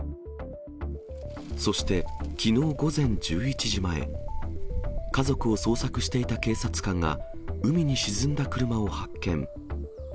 そして、きのう午前１１時前、家族を捜索していた警察官が、海に沈んだ車を発見。